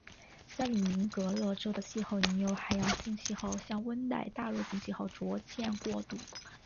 加里宁格勒州的气候已由海洋性气候向温带大陆性气候逐渐过渡。